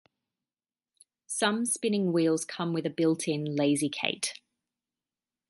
Some spinning wheels come with a built-in lazy kate.